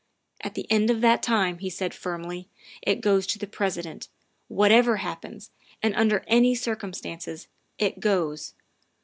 " At the end of that time," he said firmly, " it goes to the President. Whatever happens, and under any circumstances, it goes.